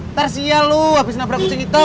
ntar sial lu abis nabrak kucing hitam